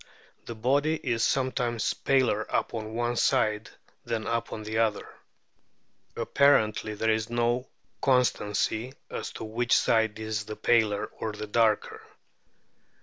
The body is sometimes paler upon one side than upon the other ; apparently there is no constancy as to which side is the paler or the darker.